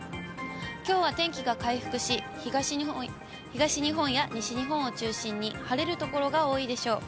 きょうは天気が回復し、東日本や西日本を中心に、晴れる所が多いでしょう。